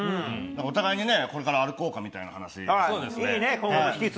お互いにこれから歩こうかみたいな話。